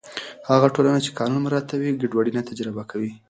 هغه ټولنه چې قانون مراعتوي، ګډوډي نه تجربه کوي.